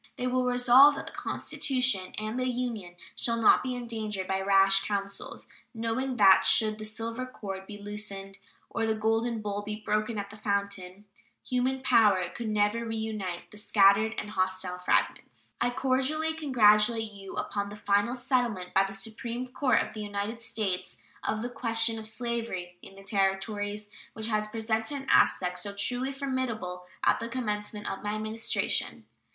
They will resolve that the Constitution and the Union shall not be endangered by rash counsels, knowing that should "the silver cord be loosed or the golden bowl be broken at the fountain" human power could never reunite the scattered and hostile fragments. I cordially congratulate you upon the final settlement by the Supreme Court of the United States of the question of slavery in the Territories, which had presented an aspect so truly formidable at the commencement of my Administration.